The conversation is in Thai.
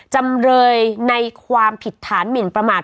จำเลยในความผิดฐานหมินประมาท